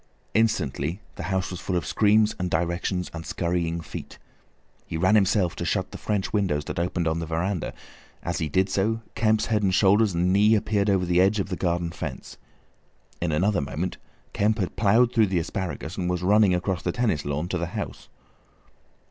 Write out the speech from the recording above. Instantly the house was full of screams and directions, and scurrying feet. He ran himself to shut the French windows that opened on the veranda; as he did so Kemp's head and shoulders and knee appeared over the edge of the garden fence. In another moment Kemp had ploughed through the asparagus, and was running across the tennis lawn to the house.